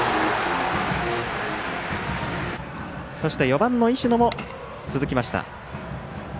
そして、４番の石野も続きました。